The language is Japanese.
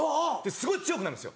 すごい強くなるんですよ